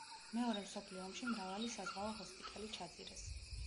მეორე მსოფლიო ომში მრავალი საზღვაო ჰოსპიტალი ჩაძირეს.